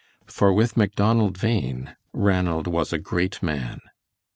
For with Macdonald Bhain, Ranald was a great man.